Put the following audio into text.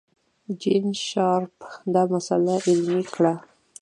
جین شارپ دا مسئله علمي کړه.